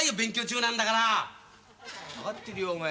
分かってるよお前。